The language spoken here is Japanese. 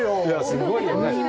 すごいよね。